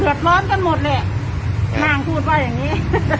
หรืออ้นก็หมดเลยแต่อย่างงี้